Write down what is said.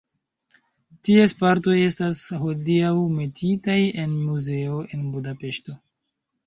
Ties partoj estas hodiaŭ metitaj en muzeo en Budapeŝto.